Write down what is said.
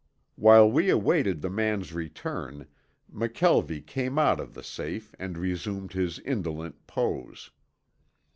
While we awaited the man's return McKelvie came out of the safe and resumed his indolent pose.